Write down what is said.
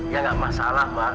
ya gak masalah mbak